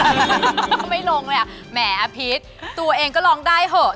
ก็ไม่ลงเลยอ่ะแหมอพีชตัวเองก็ร้องได้เถอะ